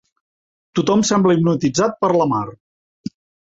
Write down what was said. Tothom sembla hipnotitzat per la Mar.